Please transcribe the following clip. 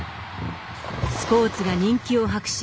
スポーツが人気を博し